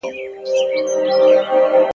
• تر باغ ئې مورۍ لو ده.